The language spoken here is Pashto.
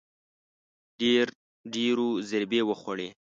ډېرو ضربې وخوړې